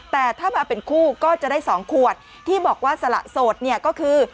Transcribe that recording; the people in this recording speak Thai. แต่ถ้ามาเป็นคู่ก็จะได้๒ขวดที่บอกว่าสละโสดเนี่ยก็คือ